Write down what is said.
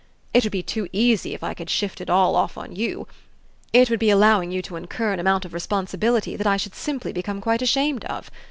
It would be too easy if I could shift it all off on you: it would be allowing you to incur an amount of responsibility that I should simply become quite ashamed of.